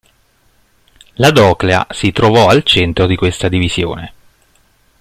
La Doclea si trovò al centro di questa divisione.